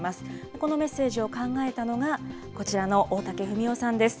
このメッセージを考えたのが、こちらの大竹文雄さんです。